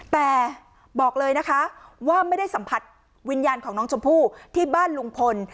แต่บอกเลยนะคะว่าไม่ได้สัมผัสวิญญาณของน้องชมพู่ที่บ้านลุงพล